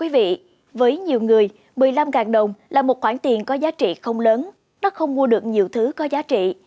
với nhiều người một mươi năm đồng là một khoản tiền có giá trị không lớn nó không mua được nhiều thứ có giá trị